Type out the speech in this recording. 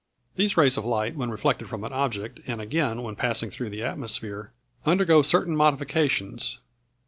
These rays of light when reflected from an object, and again when passing through the atmosphere, undergo certain modifications.